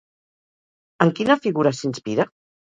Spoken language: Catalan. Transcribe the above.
En quina figura s'inspira?